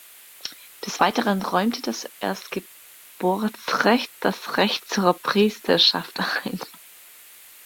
Des Weiteren räumte das Erstgeburtsrecht das Recht zur Priesterschaft ein.